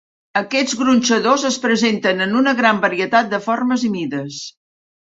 Aquests gronxadors es presenten en una gran varietat de formes i mides.